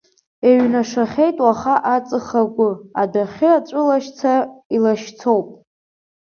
Еиҩнашахьеит уаха аҵых агәы, адәахьы аҵәылашьца илашьцоуп.